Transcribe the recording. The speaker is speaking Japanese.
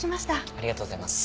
ありがとうございます。